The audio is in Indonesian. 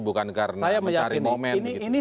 bukan karena mencari momen saya yakin ini